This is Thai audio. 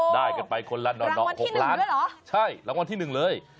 ได้กันไปคนละหน่อ๖ล้านใช่รางวัลที่๑เลย